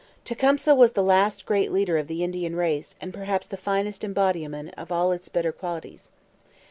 Tecumseh was the last great leader of the Indian race and perhaps the finest embodiment of all its better qualities.